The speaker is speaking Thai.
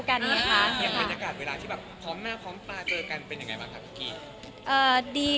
คุณแม่มะม่ากับมะมี่